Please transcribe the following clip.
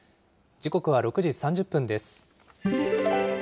時刻は６時３０分です。